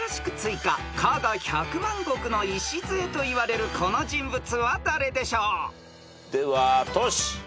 ［加賀百万石の礎といわれるこの人物は誰でしょう］ではトシ。